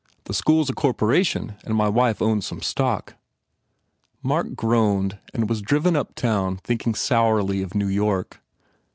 The school s a corporation and my wife owns some stock." Mark groaned and was driven uptown thinking sourly of New York.